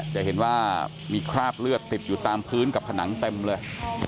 จะเห็นว่ามีคราบเลือดติดอยู่ตามพื้นกับผนังเต็มเลย